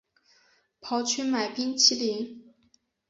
跑去买冰淇淋